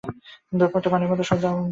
ব্যাপারটা পানির মতো সোজা আবার উদ্ভটও?